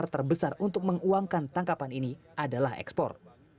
terbesar untuk menguangkan tangkapan ini adalah ekspor